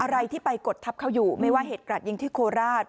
อะไรที่ไปกดทับเขาอยู่ไม่ว่าเหตุกราดยิงที่โคราช